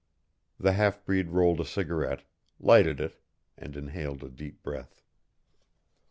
The half breed rolled a cigarette, lighted it, and inhaled a deep breath.